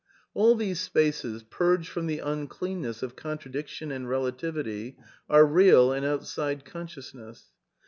All these spaces, purged from the uncleanness of contra diction and relativity, are real and outside consciousness.